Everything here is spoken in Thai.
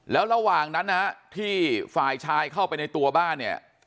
แล้วระหว่างนั้นนะฮะที่ฝ่ายชายเข้าไปในตัวบ้านเนี่ย